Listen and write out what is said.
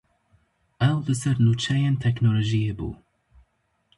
Ew li ser nûçeyên teknolojiyê bû.